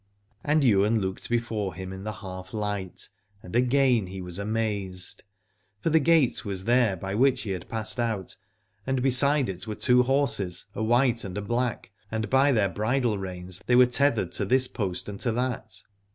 And Ywain looked before him in the half light, and again he was amazed : for the gate was there by which he had passed out, and beside it were two horses, a white and a black, and by their bridle reins they were tethered to this post and to that.